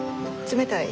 冷たい？